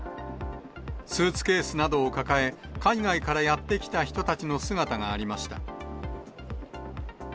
スーツケースなどを抱え、海外からやって来た人たちの姿がありました。